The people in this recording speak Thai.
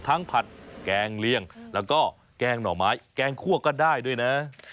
ผัดแกงเลี่ยงแล้วก็แกงหน่อไม้แกงคั่วก็ได้ด้วยนะ